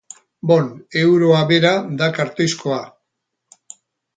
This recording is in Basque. Bon, euroa bera da kartoizkoa.